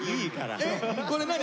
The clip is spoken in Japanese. これ何？